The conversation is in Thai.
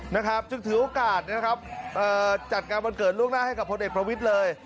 นะครับจึงถือโอกาสนะครับเอ่อจัดงานวันเกิดล่วงหน้าให้กับพลเอกประวิทย์เลย